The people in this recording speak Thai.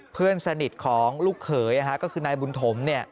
เพื่อนสนิทของลูกเขยก็คือนายบุญถม